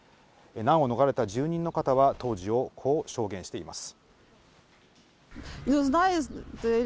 難を逃れた住民の方は、当時をこう証言しています。